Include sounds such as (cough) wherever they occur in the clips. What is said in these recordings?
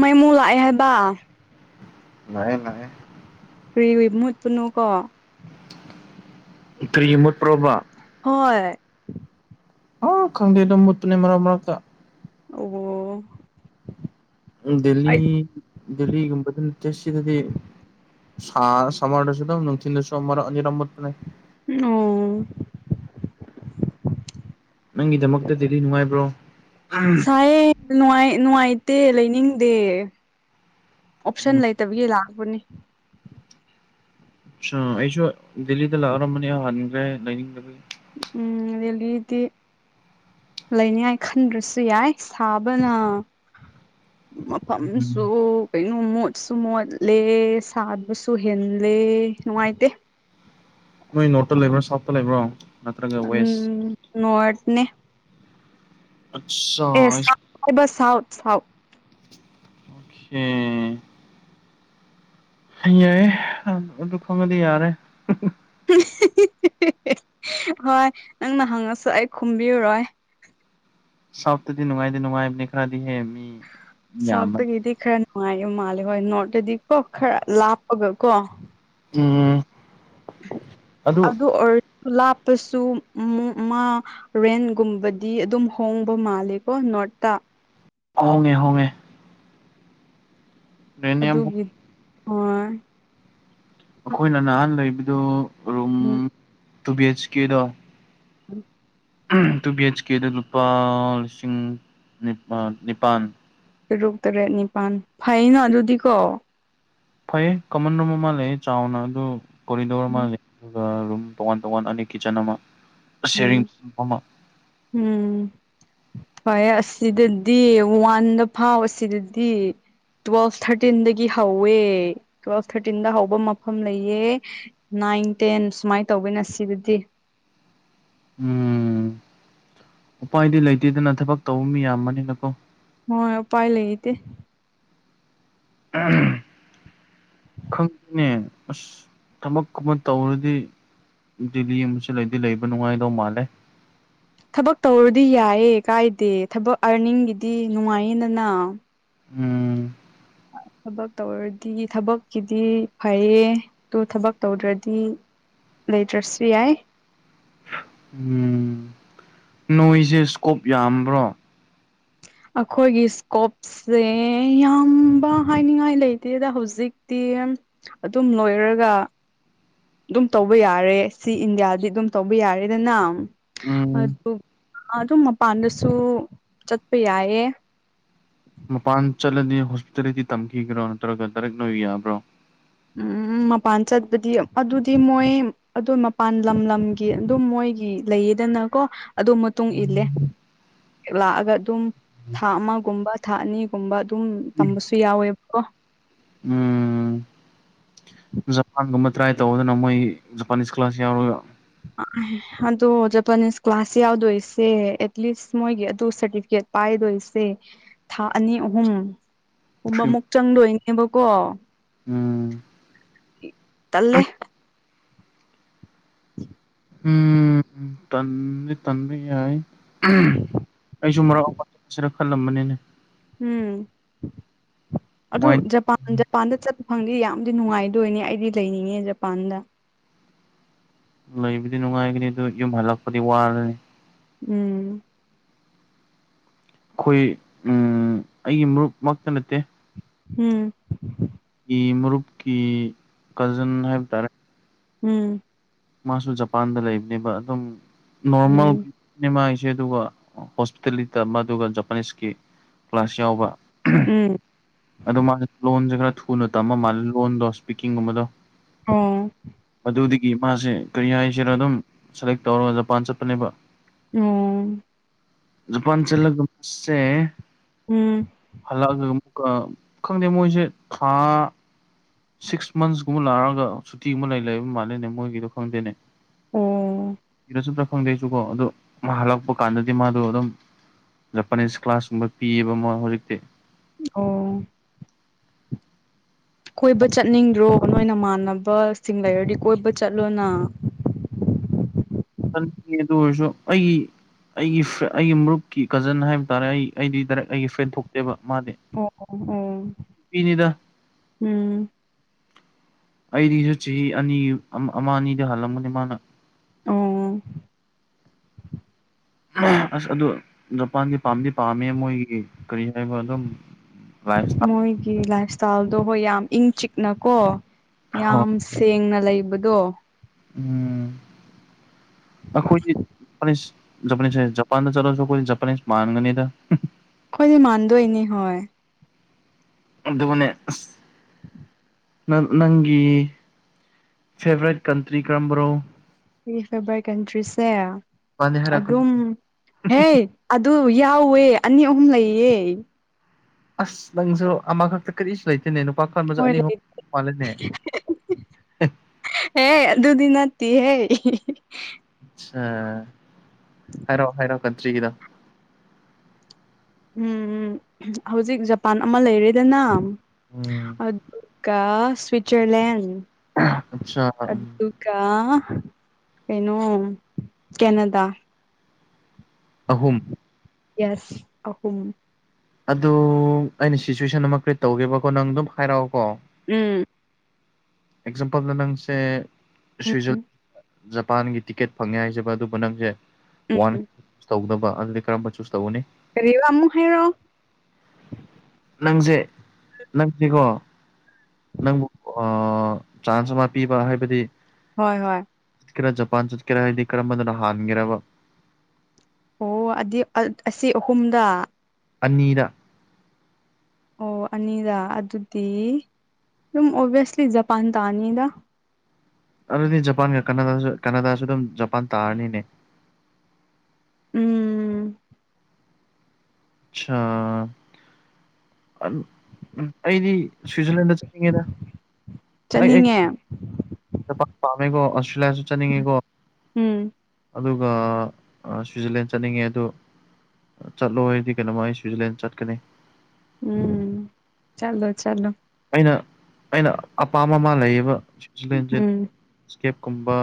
ꯃꯩ ꯃꯨꯛ ꯂꯥꯛꯑꯦ ꯍꯥꯏꯕ ꯂꯥꯛꯑ‌ꯦ ꯂꯥꯛꯑ‌ꯦ ꯄ꯭ꯔꯤꯋꯤꯞ (unintelligible) ꯃꯨꯠꯄꯅꯣꯀꯣ? ꯀ꯭ꯔꯤꯒꯤ ꯃꯨꯠꯄ꯭ꯔꯣꯕ ꯍꯣꯏ ꯑ ꯈꯪꯗꯦ ꯑꯗꯨꯝ ꯃꯨꯠꯇꯨꯅꯦ ꯃꯔꯛ ꯃꯔꯛꯇ ꯑꯣ ꯎ ꯗꯦꯜꯂꯤ ꯑꯩ ꯗꯦꯜꯂꯤꯒꯕꯅ ꯆꯁꯗꯗꯤ ꯁꯥ ꯁꯃꯔꯗꯁꯨ ꯑꯗꯨꯝ ꯅꯨꯡꯊꯤꯟꯗꯁꯨ ꯑꯃꯔꯛ ꯑꯅꯤꯔꯛ ꯃꯨꯠꯄꯅꯦ꯫ ꯑꯣ ꯅꯪꯒꯤꯗꯃꯛꯇ ꯗꯦꯂꯤ ꯅꯨꯡꯉꯥꯏꯕ꯭ꯔꯣ? ꯁꯥꯏꯌꯦ ꯅꯨꯡꯉꯥꯏ ꯅꯨꯡꯉꯥꯏꯇꯦ ꯂꯩꯅꯤꯡꯗꯦ ꯑꯣꯞꯁꯟ ꯎꯝ ꯂꯩꯇ ꯇꯕꯒꯤ ꯂꯥꯛꯄꯅꯤ꯫ ꯑꯁꯥ ꯑꯩꯁꯨ ꯗꯦꯜꯂꯤꯗ ꯂꯛꯑꯔꯝꯕꯅꯤ ꯍꯟꯈ꯭ꯔꯦ ꯂꯩꯅꯤꯡꯗꯦ ꯎꯝ ꯗꯦꯜꯂꯤꯗꯤ ꯂꯩꯅꯤꯡꯉꯥꯏ ꯈꯟꯗ꯭ꯔꯁꯨ ꯌꯥꯏ ꯁꯥꯕꯅ ꯃꯐꯝꯁꯨ ꯀꯩꯅꯣ ꯃꯣꯠꯁꯨ ꯃꯣꯠꯂꯦ ꯁꯥꯕꯁꯨ ꯍꯦꯜꯂꯦ ꯅꯨꯡꯉꯥꯏꯇꯦ ꯅꯣꯏ ꯅꯣꯠꯇ ꯂꯩꯕ꯭ꯔꯣ ꯁꯣꯞꯇ ꯂꯩꯕ꯭ꯔꯣ ꯅꯠꯇ꯭ꯔꯒ ꯋꯦꯁ ꯎꯝ ꯅꯣꯡꯋꯥꯇꯅꯦ ꯑꯆꯥꯥ ꯑꯦ ꯁꯥꯎ ꯍꯥꯏꯕ ꯁꯥꯎꯊ ꯁꯥꯎꯊ ꯍ ꯌꯥꯏ ꯗꯨ ꯈꯪꯉꯗꯤ ꯌꯥꯔꯦ꯫ ꯍꯣꯏ ꯅꯪꯅ ꯍꯪꯉꯁꯨ ꯑꯩ ꯈꯨꯝꯕꯤꯔꯔꯣꯏ ꯁꯥꯎꯊ ꯇꯥꯗꯤ ꯅꯨꯡꯉꯥꯏꯗꯤꯅꯨꯡꯉꯥꯏꯕꯅꯦ ꯈꯔꯥꯗꯤ ꯍꯦꯕꯤ ꯁꯥꯎꯠꯇꯒꯤꯗꯤ ꯈꯔ ꯅꯨꯡꯉꯥꯏꯕ ꯃꯥꯜꯂꯦ ꯍꯣꯏ ꯅꯣꯔꯠꯇꯗꯤ ꯀꯣ ꯈꯔ ꯂꯥꯞꯄꯒ ꯀꯣ ꯎꯝ ꯑꯗꯨ ꯑꯣꯏꯔ ꯂꯥꯞꯄꯁꯨ ꯃꯥ ꯃꯥ ꯔꯦꯟꯒꯨꯝꯕꯗꯤ ꯑꯗꯨꯝ ꯍꯣꯡꯕ ꯃꯥꯜꯂꯦꯀꯣ ꯅꯣꯔꯊ ꯇ ꯍꯣꯡꯉꯦ ꯍꯣꯡꯉꯦ ꯔꯦꯟ ꯌꯥꯝ ꯍꯣꯡ ꯑꯗꯨꯒꯤ ꯍꯣꯏ ꯑꯈꯣꯏꯅ ꯅꯍꯥꯟ ꯂꯩꯕꯗꯣ ꯎꯝ ꯇꯨ ꯕꯤ ꯑꯩꯆ ꯀꯦꯗꯣ ꯎꯝ ꯇꯨ ꯕꯤ ꯑꯩꯩꯆ ꯀꯦꯗ ꯂꯨꯄꯥ ꯂꯤꯁꯤꯡ ꯅꯤꯄꯜ ꯇꯔꯨꯛ ꯇꯔꯦꯠ ꯅꯤꯄꯥꯜ ꯐꯩꯩꯅꯣ ꯑꯗꯨꯗꯤꯀꯣ ꯐꯩꯌꯦ ꯀꯃꯟ ꯔꯨꯝ ꯑꯃ ꯂꯩꯌꯦ ꯆꯥꯎꯅ ꯑꯗꯨ ꯀꯣꯔꯤꯗꯣꯔ ꯑꯃ ꯂꯩ ꯑ ꯔꯨꯝ ꯇꯣꯉꯥꯟ ꯇꯣꯉꯥꯟ ꯑꯅꯤ ꯀꯤꯆꯟ ꯑꯃ ꯁꯦꯔꯤꯡ ꯎꯝ ꯑꯃ ꯎꯝ ꯍꯣꯏ ꯑꯁꯤꯗꯗꯤ ꯋꯥꯟꯗ ꯐꯥꯎ ꯑꯁꯤꯗꯗꯤ ꯇꯨꯋꯦꯜꯐ ꯊꯥꯔꯇꯤꯟꯗꯒꯤ ꯍꯧꯋꯦ ꯇꯨꯋꯦꯜꯐ ꯊꯥꯔꯇꯤꯟꯗ ꯍꯧꯕ ꯃꯐꯝ ꯂꯩꯌꯦ ꯅꯥꯏꯟ ꯇꯦꯟ ꯁꯨꯃꯥꯏꯅ ꯇꯧꯕ ꯅ ꯁꯤꯗꯗꯤ ꯎꯝ ꯎꯄꯥꯏꯗꯤ ꯂꯩꯇꯦꯗꯅ ꯊꯕꯛ ꯇꯧꯕ ꯃꯤ ꯌꯥꯝꯕꯅꯤꯅꯀꯣ ꯍꯣꯏ ꯄꯥꯏ ꯂꯩꯗꯤꯦ ꯎꯍꯨꯝ ꯈꯪꯅꯦ ꯊꯕꯛꯒꯨꯝꯕ ꯇꯧꯔꯗꯤ ꯗꯦꯜꯂꯤ ꯒꯨꯝꯕꯁꯨ ꯂꯩꯗꯤ ꯂꯩꯕ ꯅꯨꯡꯉꯥꯏꯗꯧ ꯃꯥꯜꯂꯦ ꯊꯕꯛ ꯇꯧꯔꯗꯤ ꯌꯥꯏꯌꯦ ꯀꯥꯏꯗꯦ ꯊꯕꯛ ꯑꯥꯔꯅꯤꯡꯒꯤꯗꯤ ꯅꯨꯡꯉꯥꯏꯌꯦꯗꯅ ꯎꯝ ꯊꯕꯛ ꯇꯧꯔꯗꯤ ꯊꯕꯛꯀꯤꯗꯤ ꯐꯩꯌꯦ ꯇꯨ ꯊꯕꯛ ꯇꯧꯗ꯭ꯔꯗꯤ ꯂꯩꯇ꯭ꯔꯁꯨ ꯌꯥꯏ ꯎꯝ ꯅꯣꯏꯁꯦ ꯁ꯭ꯀꯣꯞ ꯌꯥꯝꯕ꯭ꯔꯣ ꯑꯩꯈꯣꯏꯒꯤ ꯏꯁꯀꯣꯞ ꯁꯦ ꯌꯥꯝꯕ ꯍꯥꯏꯅꯤꯡꯉꯥꯏ ꯂꯩꯇꯦꯗ ꯍꯧꯖꯤꯛꯇꯤ ꯑꯗꯨꯝ ꯂꯣꯏꯔꯒ ꯑꯗꯨꯝ ꯇꯧꯕ ꯌꯥꯔꯦ ꯁꯤ ꯏꯟꯗꯤꯌꯥꯗꯤ ꯑꯗꯨꯝ ꯇꯧꯕ ꯌꯥꯔꯦꯗꯅ ꯎꯝ ꯑꯗꯨ ꯑꯗꯨꯝ ꯃꯄꯥꯟꯗꯁꯨ ꯆꯠꯄ ꯌꯥꯏꯌꯦ ꯃꯄꯥꯟ ꯆꯠꯂꯗꯤ ꯍꯣꯁꯄꯤꯇꯥꯂꯤꯇꯤ ꯇꯛꯄꯤꯒꯦꯔꯣ ꯅꯠꯇ꯭ꯔꯒ ꯗꯥꯔꯦꯛ ꯅꯣꯏ ꯌꯥꯕ꯭ꯔꯣ ꯎꯝ ꯃꯄꯥꯟ ꯆꯠꯄꯗꯤ ꯑꯗꯨꯗꯤ ꯃꯣꯏ ꯑꯗꯨ ꯃꯄꯥꯟ ꯂꯝ ꯂꯝꯒꯤ ꯑꯗꯨꯝ ꯃꯣꯏꯒꯤ ꯂꯩꯌꯦꯗꯅꯀꯣ ꯑꯗꯨ ꯃꯇꯨꯡ ꯏꯜꯂꯦ ꯂꯥꯛꯑꯒ ꯑꯗꯨꯝ ꯊꯥ ꯑꯃꯒꯨꯝꯕ ꯊꯥ ꯑꯅꯤꯒꯨꯝꯕ ꯑꯗꯨꯝ ꯇꯝꯕꯁꯨ ꯌꯥꯎꯋꯦꯕꯀꯣ ꯎꯝ ꯖꯄꯥꯟꯒꯨꯝꯕ ꯇ꯭ꯔꯥꯏ ꯇꯧꯗꯅ ꯃꯣꯏ ꯖꯄꯥꯅꯤꯁ ꯀ꯭ꯂꯂꯥꯁ ꯌꯥꯎꯔꯒ ꯑꯗꯣ ꯖꯄꯥꯅꯤꯁ ꯀ꯭ꯂꯥꯁ ꯌꯥꯎꯗꯣꯏꯁꯦ ꯑꯦꯠꯂꯤꯁ ꯃꯣꯏꯒꯤ ꯑꯗꯨ ꯁꯔꯇꯤꯐꯤꯀꯦꯠ ꯄꯥꯏꯗꯣꯏꯁꯦ ꯊꯥ ꯑꯅꯤ ꯑꯍꯨꯝ ꯨꯕ ꯊ꯭ꯔꯤ ꯑꯃꯨꯛ ꯆꯪꯗꯣꯏꯅꯦꯕꯀꯣ ꯎꯝ ꯇꯟꯂꯦ (inaudible) ꯎꯝ ꯇꯟꯗꯤ ꯇꯟꯕ ꯌꯥꯏ ꯑꯩꯁꯨ (unintelligible) ꯈꯜꯂꯝꯕꯅꯤꯅꯦ ꯎꯝ ꯑꯗꯨ ꯋꯥꯏꯟ ꯖꯄꯥꯟ (unintelligible) ꯖꯄꯥꯟꯗ ꯆꯠꯄ ꯐꯪꯉꯗꯤ ꯌꯥꯝꯗꯤ ꯅꯨꯡꯉꯥꯏꯗꯣꯏꯅꯦ ꯑꯩꯗꯤ ꯂꯩꯅꯤꯡꯉꯦ ꯖꯄꯥꯟꯗ ꯂꯩꯕꯗꯤ ꯅꯨꯡꯉꯥꯏꯒꯅꯤ ꯑꯗꯨ ꯌꯨꯝ ꯍꯜꯂꯛꯄꯗꯤ ꯋꯥꯔꯅꯤ ꯎꯝ ꯑꯩꯈꯣꯏ ꯑꯩꯒꯤ ꯃꯔꯨꯞꯃꯛꯇ ꯅꯠꯇꯦ ꯎꯝ ꯀꯤ ꯃꯔꯨꯞꯀꯤ ꯀꯖꯟ ꯍꯥꯏꯕ ꯇꯥꯔꯦ ꯎꯝ ꯃꯥꯁꯨ ꯖꯄꯥꯟꯗ ꯂꯩꯕꯅꯦꯕ ꯑꯗꯨꯝ ꯎꯝ ꯅꯣꯔꯃꯦꯜꯅꯦ ꯃꯥꯒꯤꯁꯦ ꯑꯗꯨꯒ ꯍꯣꯁꯄꯤꯇꯥꯂꯤꯇꯤ ꯇꯝꯕ ꯑꯗꯨꯒ ꯖꯄꯥꯅꯤꯁꯀꯤ ꯀ꯭ꯂꯥꯁ ꯌꯥꯎꯕ ꯎꯝ ꯑꯗꯣ ꯃꯥꯁ ꯂꯣꯟꯁꯦ ꯈꯔ ꯊꯨꯅ ꯇꯝꯃ ꯃꯥꯜꯂꯦ ꯂꯣꯟꯗꯣ ꯏꯁꯄꯤꯀꯤꯡꯒꯨꯝꯕꯗꯣ ꯑꯣ ꯑꯗꯨꯗꯒꯤ ꯃꯥꯁꯦ ꯀꯔꯤ ꯍꯥꯏꯁꯤꯔ ꯑꯗꯨꯝ ꯁꯦꯂꯦꯛ ꯇꯧꯔꯒ ꯖꯄꯥꯟ ꯆꯠꯄꯅꯦꯕ ꯎꯝ ꯖꯄꯥꯟ ꯆꯠꯂꯒꯨꯝꯁꯦ ꯎꯝ ꯍꯜꯂꯛꯑꯒ ꯑꯃꯨꯛ ꯈꯪꯗꯦ ꯃꯣꯏꯁꯦ ꯊꯥ ꯁꯤꯛꯁ ꯃꯟꯁꯀꯨꯝꯕ ꯂꯥꯛꯑꯒ ꯁꯨꯇꯤꯒꯨꯝꯕ ꯂꯩꯕ ꯃꯥꯜꯂꯤꯅꯦ ꯃꯣꯏꯒꯤꯗꯣ ꯈꯪꯗꯦꯅꯦ ꯎꯝ ꯈꯪꯗꯦꯁꯨ ꯀꯣ ꯑꯗꯣ ꯍꯜꯂꯛꯄ ꯀꯥꯟꯗꯗꯤ ꯃꯥꯗꯣ ꯑꯗꯨꯝ ꯖꯄꯥꯅꯤꯁ ꯀ꯭ꯂꯥꯁꯀꯨꯝꯕ ꯄꯤꯌꯦꯕ ꯃꯣꯏ ꯍꯧꯖꯤꯛꯇꯤ ꯑꯣ ꯀꯣꯏꯕ ꯆꯠꯅꯤꯡꯗ꯭ꯔꯣ ꯅꯣꯏꯅ ꯃꯥꯟꯅꯕꯁꯤꯡ ꯂꯩꯔꯗꯤ ꯀꯣꯏꯕ ꯆꯠꯂꯣꯅ ꯈꯟꯗꯦ ꯑꯗꯨ ꯑꯣꯏꯔꯁꯨ ꯑꯩ ꯑꯩꯒꯤ ꯐ꯭ꯔꯦ ꯑꯩꯒꯤ ꯃꯔꯨꯞꯀꯤ ꯀꯖꯟ ꯍꯥꯏꯕ ꯇꯥꯔꯦ ꯑꯩꯗꯤ ꯗꯥꯏꯔꯦꯛ ꯑꯩꯒꯤ ꯐ꯭ꯔꯦꯟ ꯊꯣꯛꯇꯦꯕ ꯃꯥꯗꯤ ꯑꯣ ꯑꯣ ꯏꯅꯤꯗ ꯎꯝ ꯑꯩꯗꯤꯁꯨ ꯆꯍꯤ ꯑꯅꯤ ꯑꯃ ꯑꯅꯤꯗ ꯍꯜꯂꯝꯒꯅꯤ ꯃꯥꯅ ꯑꯣ ꯑꯁ ꯑꯗꯨ ꯖꯄꯥꯟꯗꯤ ꯄꯥꯝꯗꯤ ꯄꯥꯝꯃꯦ ꯃꯣꯏꯒꯤ ꯀꯔꯤ ꯍꯥꯏꯕ ꯑꯗꯨꯝ ꯁ (unintelligible) ꯃꯣꯏꯒꯤ ꯂꯥꯏꯐ ꯏꯁꯇꯥꯏꯜꯗꯣ ꯍꯣꯏ ꯌꯥꯝ ꯏꯪ ꯆꯤꯛꯅ ꯀꯣ ꯍꯣꯏ ꯌꯥꯝ ꯁꯦꯡꯅ ꯂꯩꯕꯗꯣ ꯎꯝ ꯑꯩꯈꯣꯏꯗꯤ ꯖꯄꯥꯅꯤꯁ ꯍꯥꯏ ꯖꯄꯥꯟ ꯗ ꯆꯠꯂꯁꯨ ꯑꯈꯣꯏꯗꯤ ꯖꯄꯥꯅꯤꯁ ꯃꯥꯟꯒꯅꯤꯗ ꯑꯩꯈꯣꯏꯗꯤ ꯃꯥꯟꯗꯣꯏꯅꯤ ꯍꯣꯏ ꯑꯗꯨꯗ ꯃꯅꯦ ꯅꯪ ꯅꯪꯒꯤ ꯐꯦꯕꯣꯔꯥꯏꯠ ꯀꯟꯇ꯭ꯔꯤ ꯀꯔꯝꯕꯅꯣ ꯑꯩꯒꯤ ꯐꯦꯕꯣꯔꯥꯏꯇ ꯀꯟꯇ꯭ꯔꯤꯁꯦ ꯃꯥꯅꯤ ꯍꯥꯏꯔꯛꯀꯅꯨ ꯑꯗꯨꯝ ꯍꯩ ꯑꯗꯨ ꯌꯥꯎꯋꯦ ꯑꯅꯤ ꯑꯍꯨꯝ ꯂꯩꯌꯦ ꯑꯁ ꯅꯪꯁꯨ ꯑꯃꯈꯛꯇ ꯀꯔꯤꯁꯨ ꯂꯩꯇꯦꯅꯦ ꯅꯨꯄꯥ ꯈꯟꯕꯁꯨ ꯍꯣꯏ ꯑꯅꯤ ꯑꯍꯨꯝ ꯂꯩ ꯃꯥꯜꯂꯦꯅꯦ ꯍꯦ ꯑꯗꯨꯗꯤ ꯅꯠꯇꯦ ꯍꯦ ꯑꯆꯥ ꯍꯥꯏꯔꯣ ꯍꯥꯏꯔꯣ ꯀꯟꯇ꯭ꯔꯤꯒꯤꯗꯣ ꯎꯝ-ꯎꯝ ꯍꯧꯖꯤꯛ ꯖꯄꯥꯟ ꯑꯃ ꯂꯩꯔꯦꯗꯅ ꯎꯝ ꯑꯗꯨꯒ ꯁ꯭ꯋꯠꯖꯔꯂꯦꯟꯠ ꯑꯆꯥ ꯑꯗꯨ ꯗꯨꯒ ꯀꯩꯅꯣ ꯀꯦꯅꯗꯥ ꯑꯍꯨꯝ ꯌꯦꯁ ꯑꯍꯨꯝ ꯑꯗꯨ ꯑꯩꯅ ꯁꯤꯆꯨꯋꯦꯁꯟ ꯑꯃ ꯀ꯭ꯔꯤꯠ ꯇꯧꯒꯦꯕꯀꯣ ꯅꯪ ꯑꯗꯨꯝ ꯍꯥꯏꯔꯛꯑꯣꯀꯣ ꯎꯝ ꯑꯦꯛꯖꯥꯝꯄꯜ ꯗ ꯅꯪꯁꯦ ꯎꯝ ꯁ꯭ꯋꯨꯏꯖꯔꯂꯦꯟ ꯖꯄꯥꯟꯒꯤ ꯇꯤꯀꯦꯠ ꯐꯪꯉꯦ ꯍꯥꯏꯁꯦꯕ ꯑꯗꯨꯕꯨ ꯅꯪꯁꯦ ꯎꯝ ꯋꯥꯟ ꯎꯝ ꯆꯨꯆ ꯇꯧꯗꯧꯕ ꯑꯗꯨꯗꯤ ꯀꯔꯝꯕ ꯆꯨꯁ ꯇꯧꯒꯅꯤ ꯀꯔꯤꯔ ꯑꯃꯨꯛ ꯍꯥꯏꯔꯣ ꯅꯪꯁꯦ ꯅꯪꯁꯤꯀꯣ ꯅꯪꯕꯨ ꯆꯥꯟꯁ ꯑꯃ ꯄꯤꯕ ꯍꯥꯏꯕꯗꯤ ꯍꯣꯏ ꯍꯣꯏ ꯆꯠꯀꯦꯔꯥ ꯖꯄꯥꯟ ꯆꯠꯀꯦꯔꯥ ꯍꯥꯏꯗꯤ ꯀꯔꯝꯕꯅ ꯍꯥꯟꯒꯦꯔꯕ ꯑꯣ ꯑꯗꯦ ꯑꯁꯤ ꯑꯍꯨꯝꯗ ꯑꯅꯤꯗ ꯑꯣ ꯑꯅꯤꯗ ꯑꯗꯨꯗꯤ ꯑꯗꯨꯝ ꯑꯣꯚꯁꯂꯤ ꯖꯄꯥꯟ ꯇꯥ ꯅꯤꯗ ꯑꯗꯨꯗꯤ ꯖꯄꯥꯟꯒ ꯀꯅꯥꯗꯥ ꯀꯅꯥꯗꯥꯁꯨ ꯑꯗꯨꯝ ꯖꯄꯥꯟ ꯇꯥꯔꯅꯤꯅꯦ ꯎꯝ ꯑꯆꯥ ꯎꯝ ꯑꯩꯗꯤ ꯁ꯭ꯋꯤꯖꯔꯂꯦꯟꯗ ꯆꯠꯅꯤꯡꯉꯦꯗ ꯑꯩ ꯑꯩ ꯆꯠꯅꯤꯡꯉꯦ ꯖꯄꯥꯟ ꯄꯥꯞꯃꯦꯒꯣ ꯑꯣꯁꯇꯦꯂꯤꯌꯥꯁꯨ ꯆꯠꯅꯤꯡꯉꯦꯀꯣ ꯎꯝ ꯑꯗꯨꯒ ꯁ꯭ꯋꯤꯖꯔꯂꯦꯟ ꯆꯠꯅꯤꯡꯉꯦ ꯑꯗꯨ ꯆꯠꯂꯣ ꯍꯥꯏꯗꯤ ꯀꯩꯅꯣꯃꯥꯏ ꯁ꯭ꯋꯤꯖꯔꯂꯦꯟ ꯆꯠꯀꯅꯤ ꯎꯝ ꯆꯠꯂꯣ ꯆꯠꯂꯣ ꯑꯩꯅ ꯑꯩꯅ ꯑꯄꯥꯝꯕ ꯑꯃꯥ ꯂꯩꯌꯦꯕ ꯁ꯭ꯋꯤꯖꯔꯂꯦꯟꯁꯦ ꯎꯝ ꯏꯁꯀꯦꯞ ꯀꯨꯝꯕ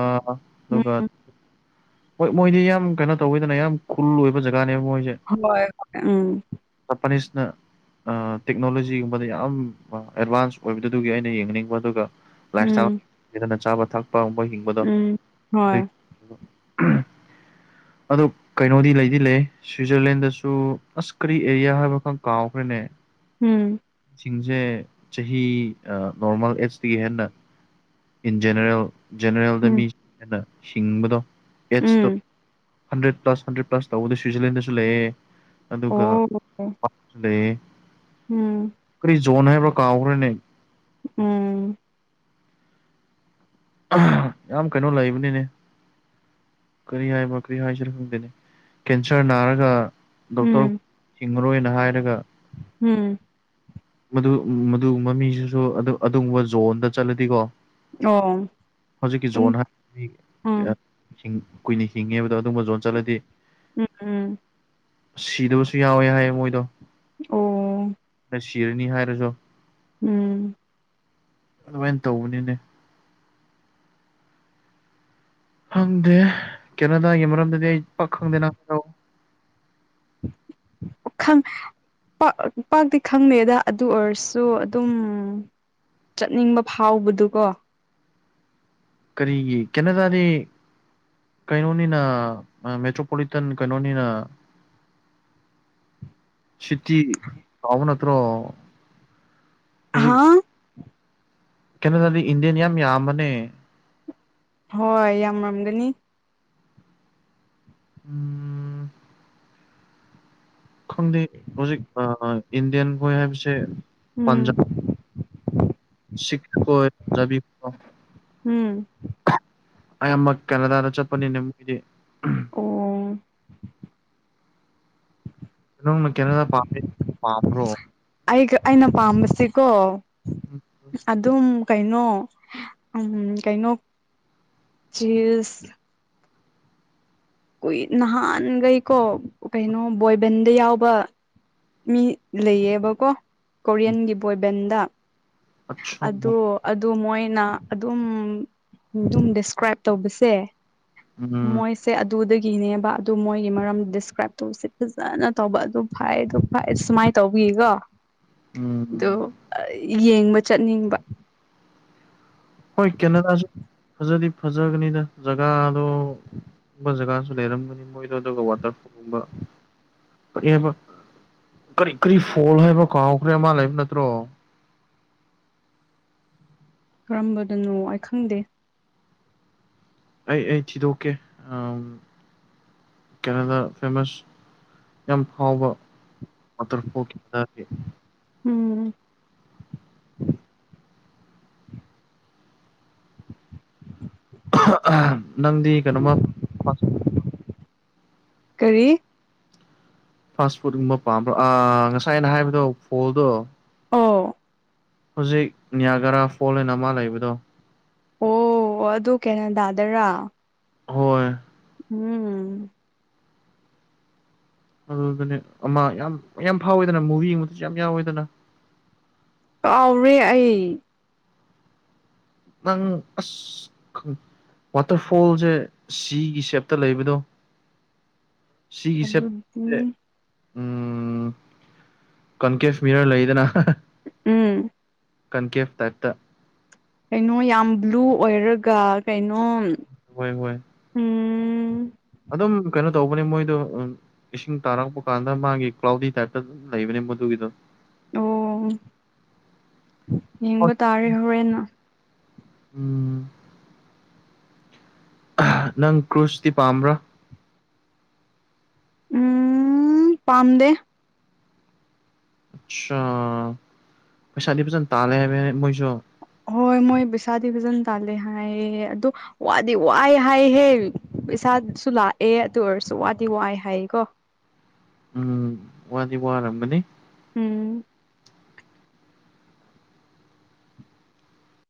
ꯂꯒ ꯎꯝ ꯍꯣꯏ ꯃꯣꯏꯗꯤ ꯌꯥꯝ ꯀꯩꯅꯣ ꯇꯧꯋꯤꯗꯅ ꯌꯥꯝ ꯈꯨꯜ ꯑꯣꯏꯕ ꯖꯒꯥꯅꯦꯕ ꯃꯣꯏꯁꯦ ꯍꯣꯏ ꯍꯣꯏ ꯎꯝ ꯖꯄꯥꯅꯤꯁꯅ ꯇꯦꯛꯅꯣꯂꯣꯖꯤꯒꯨꯝꯕꯗ ꯌꯥꯝ ꯑꯦꯗꯚꯥꯟꯁ ꯑꯣꯏꯕꯗꯨꯗꯨꯒꯤ ꯑꯩꯅ ꯌꯦꯡꯅꯤꯡꯕ ꯑꯗꯨꯒ ꯎꯝ ꯂꯥꯏꯞꯁꯇꯥꯏꯜꯗꯅ ꯆꯥꯕ ꯊꯛꯄꯒꯨꯝꯕ ꯍꯤꯡ ꯝꯕꯗꯣ ꯎꯝ ꯍꯣꯏ ꯑꯗꯨꯗ (inaudible) ꯑꯗꯨ ꯀꯩꯅꯣꯗꯤ ꯂꯩꯗꯤ ꯂꯩ ꯁ꯭ꯋꯤꯖꯔꯂꯦꯟꯗꯁꯨ ꯑꯁ ꯀꯔꯤ ꯑꯦꯔꯤꯌꯥ ꯍꯥꯏꯕ ꯈꯪ ꯀꯥꯎꯈ꯭ꯔꯦꯅꯦ ꯎꯝ ꯁꯤꯡꯁꯦ ꯆꯍꯤ ꯅꯣꯔꯃꯦꯜ ꯑꯦꯖꯇꯤ ꯍꯦꯟꯅ ꯏꯟ ꯖꯦꯅꯔꯦꯜ ꯖꯦꯅꯔꯦꯜꯗ ꯎꯝ ꯃꯤꯅ ꯍꯤꯡꯕꯗꯣ ꯑꯦꯁꯇꯣ꯫ ꯎꯝ ꯍꯟꯗ꯭ꯔꯦꯠ ꯄ꯭ꯂꯁ ꯍꯟꯗ꯭ꯔꯦꯠ ꯄ꯭ꯂꯁ ꯇꯧꯕꯗ ꯁ꯭ꯋꯤꯠꯖꯔꯂꯦꯟꯗꯁꯨ ꯂꯩꯌꯦ ꯑꯗꯨꯒ ꯑꯣ ꯂꯩ ꯎꯝ ꯀꯔꯤ ꯖꯣꯟ ꯍꯥꯏꯕ꯭ꯔꯥ ꯀꯥꯎꯈ꯭ꯔꯅꯦ ꯎꯝ ꯌꯥꯝ ꯀꯩꯅꯣ ꯂꯩꯕꯅꯤꯅꯦ ꯀꯔꯤ ꯍꯥꯏꯕ ꯀꯔꯤ ꯍꯥꯏꯁꯤꯔ ꯈꯪꯗꯦꯅꯦ ꯀꯦꯟꯁꯔ ꯅꯥꯔꯒ ꯗꯣꯛꯇꯔ ꯎꯝ ꯍꯤꯡꯉꯔꯣꯏꯅ ꯍꯥꯏꯔꯒ ꯎꯝ ꯃꯗꯨ ꯃꯗꯨꯨꯝꯕ ꯃꯤꯁꯤꯁꯨ ꯑꯗꯨꯒꯨꯝꯕ ꯖꯣꯟꯗ ꯆꯠꯂꯗꯤꯀꯣ ꯑꯣ ꯍꯧꯖꯤꯛꯀꯤ ꯑꯗꯨꯝ ꯖꯣꯟ ꯍꯥꯏꯔꯗꯤ ꯑ ꯎꯝ ꯍꯤꯡ ꯀꯨꯏꯅ ꯍꯤꯡꯉꯦꯕꯗꯣ ꯑꯗꯨꯒꯨꯝꯕ ꯖꯣꯟ ꯆꯠꯂꯗꯤ꯫ ꯎꯝ ꯎꯝ ꯁꯤꯗꯕꯁꯨ ꯌꯥꯎꯋꯦ ꯍꯥꯏꯌꯦ ꯃꯣꯏꯗꯣ ꯑꯣ ꯁꯤꯔꯅꯤ ꯍꯥꯏꯔꯨꯖꯣ ꯎꯝ ꯑꯗꯨꯃꯥꯏꯅ ꯇꯧꯕꯅꯤꯅꯦ꯫ ꯈꯪꯗꯦ ꯀꯦꯅꯥꯗꯥꯒꯤ ꯃꯔꯝꯗꯗꯤ ꯑꯩ ꯄꯥꯛ ꯈꯪꯗꯦꯅ ꯍꯥꯏꯔꯎ ꯈꯪ ꯄꯥꯛ ꯄꯥꯛꯇꯤ ꯈꯪꯗꯦꯗ ꯑꯗꯨ ꯑꯣꯏꯔꯁꯨ ꯑꯗꯨꯝ ꯆꯠꯅꯤꯡꯕ ꯐꯥꯎꯕꯗꯨꯀꯣ ꯀꯔꯤꯒꯤ ꯀꯦꯅꯥꯗꯥꯗꯤ ꯀꯩꯅꯣꯅꯤꯅ ꯃꯦꯇ꯭ꯔꯣꯄꯣꯂꯤꯇꯟ ꯀꯩꯅꯣꯅꯤꯅ ꯁꯤꯇꯤ ꯆꯥꯎꯅꯠꯇ꯭ꯔꯣ ꯍꯥꯥ? ꯀꯩꯅꯣꯗꯗꯤ ꯏꯟꯗꯤꯌꯥꯟ ꯌꯥꯝ ꯌꯥꯝꯕꯅꯦ ꯍꯣꯏ ꯌꯥꯝ ꯃꯔꯝꯒꯅꯤ ꯎꯝ ꯈꯪꯗꯦ ꯍꯧꯖꯤꯛ ꯏꯟꯗꯤꯌꯥꯟ ꯍꯣꯏ ꯍꯥꯏꯕꯁꯦ ꯎꯝ ꯄꯟꯖꯥꯕ ꯁꯤꯀꯣꯖꯕꯤ ꯎꯝ ꯑꯩꯌꯥꯝꯃꯛ ꯀꯦꯅꯥꯗꯥꯗ ꯆꯠꯄꯅꯤꯅꯦ ꯃꯣꯏꯗꯤ ꯑꯣ ꯅꯪꯅ ꯀꯦꯩꯅꯣꯗ ꯄꯥꯝꯃꯦ ꯄꯥꯝꯕ꯭ꯔꯣ ꯑꯩꯒ ꯑꯩꯅ ꯄꯥꯝꯝꯕꯁꯀꯣ ꯑꯗꯨꯝ ꯀꯩꯅꯣ ꯎꯝ ꯀꯩꯅꯣ ꯆꯤꯁ ꯀꯨꯏ ꯅꯍꯥꯟꯈꯩꯀꯣ ꯀꯩꯅꯣ ꯕꯣꯏꯕꯦꯟꯗ ꯌꯥꯎꯕ ꯃꯤ ꯂꯩꯌꯦꯕꯀꯣ ꯀꯣꯔꯤꯌꯟꯒꯤ ꯕꯣꯏꯕꯦꯟꯗ ꯗ ꯑꯆꯥ ꯑꯗꯣ ꯑꯗꯨ ꯃꯣꯏꯅ ꯑꯗꯨꯝ ꯗꯨꯝ ꯗꯦꯁꯀ꯭ꯔꯥꯏꯞ ꯇꯧꯕꯁꯦ ꯎꯝ ꯃꯣꯏꯁꯦ ꯑꯗꯨꯗꯒꯤꯅꯦꯕ ꯑꯗꯨ ꯃꯣꯏꯒꯤ ꯃꯔꯝ ꯗꯤꯁꯀ꯭ꯔꯥꯏꯞ ꯇꯧꯕꯁꯦ ꯐꯖꯅ ꯇꯧꯕ ꯑꯗꯨꯝ (unintelligible) ꯁꯨꯃꯥꯏ ꯇꯧꯕꯤꯒꯣ ꯗꯣ ꯎꯝ ꯑ ꯌꯦꯡꯕ ꯆꯠꯅꯤꯡꯕ꯫ ꯍꯣꯏ ꯀꯦꯅꯥꯗꯥꯖꯨ ꯐꯖꯗꯤ ꯐꯖꯒꯅꯤꯗ ꯖꯒꯥꯗꯣ ꯨꯝꯕ ꯖꯒꯥꯁꯨ ꯂꯩꯔꯝꯒꯅꯤ ꯃꯣꯏꯗꯣ ꯑꯗꯨꯒ ꯋꯥꯇꯔꯐꯣꯜꯒꯨꯝꯕ ꯕ ꯀꯔꯤ ꯀꯔꯤ ꯐꯣꯜ ꯍꯥꯏꯕ ꯀꯥꯎꯈ꯭ꯔꯦ ꯑꯃ ꯂꯩꯕ ꯅꯠꯇ꯭ꯔꯣ ꯀꯔꯝꯕꯗꯅꯣ ꯑꯩꯈꯪꯗꯦ ꯑꯩ ꯑꯩ ꯊꯤꯗꯣꯛꯀꯦ ꯀꯦꯅꯗꯥ ꯐꯦꯃꯁ ꯌꯥꯝ ꯐꯥꯎꯕ ꯋꯥꯇꯔ ꯐꯣꯛꯈꯤꯕ ꯍꯥꯏꯇꯥꯔꯗꯤ ꯎꯝ ꯅꯪꯗꯤ ꯀꯩꯅꯣꯃ ꯐꯥꯁ ꯐꯨꯗꯀꯨꯝꯕ ꯀꯔꯤ? ꯐꯥꯁ ꯐꯨꯗꯀꯨꯝꯕ ꯄꯥꯝꯕ꯭ꯔꯣ ꯑꯥ ꯉꯁꯥꯏ ꯑꯅ ꯍꯥꯏꯕꯗꯣ ꯐꯣꯜꯗꯣ ꯑꯣ ꯍꯧꯖꯤꯛ ꯅꯤꯌꯥꯒꯔꯥ ꯐꯣꯜ ꯑꯅ ꯑꯃ ꯂꯩꯕꯗꯣ ꯑꯣ ꯑꯗꯨ ꯀꯩꯅꯣ ꯗꯥꯗꯔꯥ ꯍꯣꯏ ꯎꯝ ꯑꯗꯨꯗꯨꯅꯦ ꯑꯃ ꯌꯥꯝ ꯃꯌꯥꯝ ꯐꯥꯎꯋꯦꯗꯅ ꯃꯨꯚꯤꯒꯨꯝꯕꯗꯁꯨ ꯌꯥꯝ ꯌꯥꯎꯋꯦꯗꯅ? ꯀꯥꯎꯔꯦ ꯑꯩ꯫ ꯅꯪ ꯑꯁ ꯑꯁ ꯈꯪ ꯋꯥꯇꯔꯐꯣꯜꯖꯦ ꯁꯤꯒꯤ ꯁꯦꯞꯇ ꯂꯩꯕꯗꯣ? ꯁꯤꯒꯤ (unintelligible) ꯑꯗꯨꯗꯤ ꯎꯝ ꯀꯟꯀꯦꯚ ꯃꯤꯔꯔ ꯂꯩꯗꯅ ꯍꯥꯍꯥ ꯎꯝ ꯀꯟꯀꯦꯐ ꯇꯥꯏꯞꯇ ꯀꯩꯅꯣ ꯌꯥꯝ ꯕ꯭ꯂꯨ ꯑꯣꯏꯔꯒ ꯀꯩꯅꯣ ꯍꯣꯏ ꯍꯣꯏ ꯎꯝ ꯑꯗꯨꯝ ꯀꯩꯅꯣ ꯇꯧꯕꯅꯦ ꯃꯣꯏꯗꯣ ꯎꯝ ꯏꯁꯤꯡ ꯇꯥꯔꯛꯄ ꯀꯥꯟꯗ ꯃꯥꯒꯤ ꯀ꯭ꯂꯥꯎꯗꯤ ꯇꯥꯏꯞꯇ ꯑꯗꯨꯝ ꯂꯩꯕꯅꯦ ꯃꯗꯨꯒꯤꯗꯣ꯫ ꯑꯣ ꯌꯦꯡꯕ ꯇꯥꯔꯦ ꯍꯣꯔꯦꯟꯅ꯫ ꯎꯝ ꯅꯪ ꯀ꯭ꯔꯨꯁꯇꯤ ꯄꯥꯝꯕ꯭ꯔꯥ ꯎꯝ ꯄꯥꯝꯗꯦ ꯁꯥ ꯄꯩꯁꯥꯗꯤ ꯐꯖꯅ ꯇꯥꯜꯂꯦ ꯍꯥꯏꯕꯅꯤꯅꯦ ꯃꯣꯏꯁꯨ꯫ ꯍꯣꯏ ꯃꯣꯏ ꯄꯩꯁꯥꯗꯤ ꯑꯗꯨꯝ ꯇꯂꯦ ꯍꯥꯏꯌꯦ ꯑꯗꯨ ꯋꯥꯗꯤ ꯋꯥꯏ ꯍꯥꯏꯍꯦ ꯄꯩꯁꯥꯁꯨ ꯂꯥꯛꯑꯦ ꯑꯗꯨ ꯑꯣꯏꯔꯁꯨ ꯋꯥꯗꯤ ꯋꯥꯏ ꯍꯥꯏꯌꯦ ꯀꯣ꯫ ꯎꯝ ꯋꯥꯗꯤ ꯋꯥꯔꯝꯕꯅꯤ ꯎꯝ